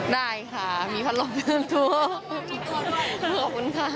ได้ค่ะมีพันธุ์ลมเพิ่มทัวร์ขอบคุณค่ะ